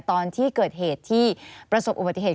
ตอนที่เกิดเหตุที่ประสบอุบัติเหตุ